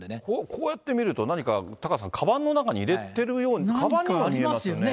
こうやって見ると、何か、タカさん、かばんの中に入れてるような、かばんにも見えますよね。